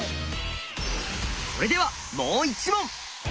それではもう１問！